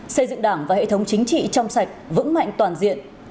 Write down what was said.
xây dựng đảng và hệ thống chính trị trong sạch vững mạnh toàn diện